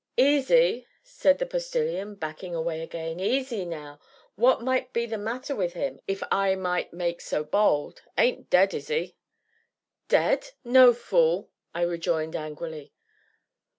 "Easy!" said the Postilion, backing away again, "easy, now what might be the matter with him, if I might make so bold ain't dead, is he?" "Dead no, fool!" I rejoined angrily.